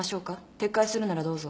撤回するならどうぞ。